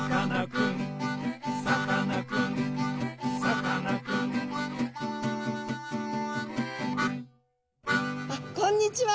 あっこんにちは。